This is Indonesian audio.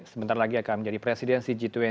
sebentar lagi akan menjadi presiden cg dua puluh